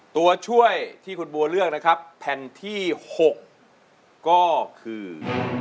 ตัวช่วยที่คุณบัวเลือกนะครับแผ่นที่๖ก็คือ